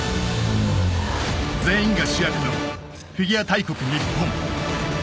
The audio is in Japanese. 全員が主役のフィギュア大国・ニッポン。